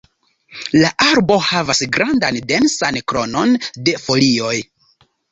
La arbo havas grandan, densan kronon de folioj.